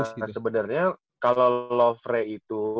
nah sebenernya kalau lufre itu